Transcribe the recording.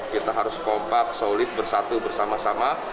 kita harus kompak solid bersatu bersama sama